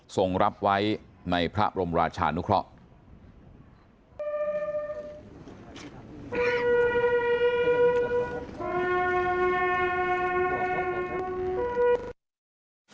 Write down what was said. ส่งรับไว้ในพระบรมราชานุเคราะห์